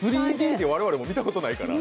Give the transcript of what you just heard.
３Ｄって我々も見たことないから。